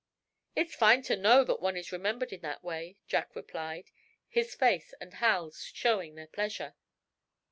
"It's fine to know that one is remembered in that way," Jack replied, his face, and Hal's, showing their pleasure.